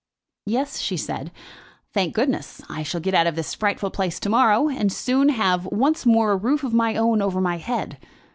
"Yes," she said. "Thank goodness, I shall get out of this frightful place to morrow, and soon have once more a roof of my own over my head.